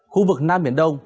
khu vực nam biển đông